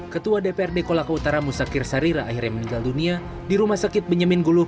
ketua dprd kolaka utara musakir sarira akhirnya meninggal dunia di rumah sakit benyamin gulung